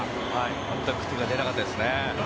全く手が出なかったですね。